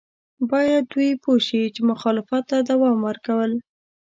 باید دوی پوه شي چې مخالفت ته دوام ورکول.